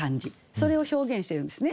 それを表現しているんですね。